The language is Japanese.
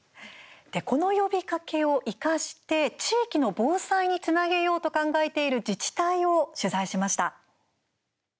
この呼びかけを生かして地域の防災につなげようと考えている自治体を取材しました。